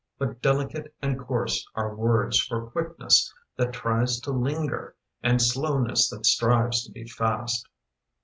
But delicate and coarse are words For quickness that tries to linger, And slowness that strives to be fast!